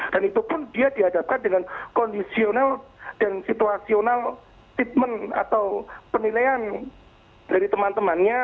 dan itu pun dia dihadapkan dengan kondisional dan situasional treatment atau penilaian dari teman temannya